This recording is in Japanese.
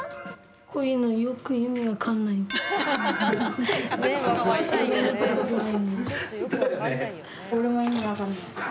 こういうのよくねえ分かんないよね。